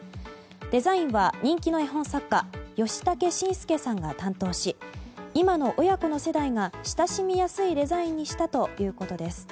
デザインは人気の絵本作家ヨシタケシンスケさんが担当し今の親子の世代が親しみやすいデザインにしたということです。